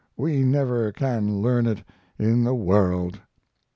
We never can learn it in the world!"